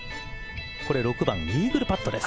これ６番イーグルパットです。